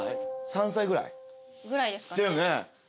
３歳ぐらい？ぐらいですかねだよね